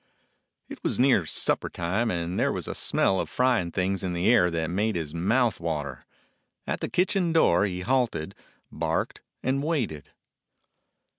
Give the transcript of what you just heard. It was near supper time and there was a smell of frying things in the air that made his mouth water. At the kitchen door he halted, barked, and waited.